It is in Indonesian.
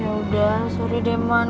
yaudah sorry deman